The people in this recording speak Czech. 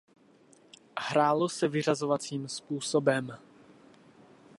Hrálo se vyřazovacím způsobem.